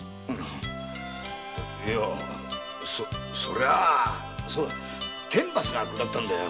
いやぁそりゃあ天罰が下ったんだよ。